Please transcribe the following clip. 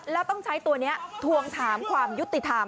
แล้วต้องใช้ตัวนี้ทวงถามความยุติธรรม